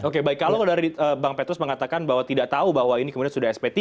oke baik kalau dari bang petrus mengatakan bahwa tidak tahu bahwa ini kemudian sudah sp tiga